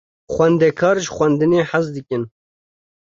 Xwendekar ji xwendinê hez dikin.